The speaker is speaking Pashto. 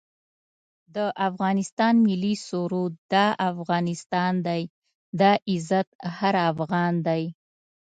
د افغانستان ملي سرود دا افغانستان دی دا عزت هر افغان دی